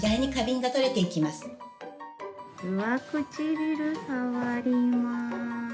上唇触ります。